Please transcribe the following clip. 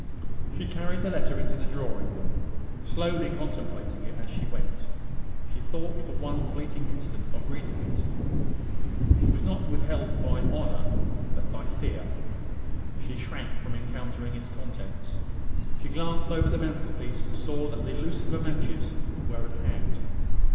She carried the letter into the drawing room, slowly contemplating it as she went. She thought, for one fleeting instant, of reading it. She was not withheld by honour, but by fear. She shrank from encountering its contents. She glanced over the mantelpiece, and saw that the lucifer matches were at hand.